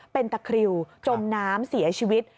เป็นตะคริวจมน้ำเสียชีวิต